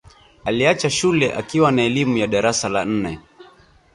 Aliacha shule akiwa na elimu ya darasa la nne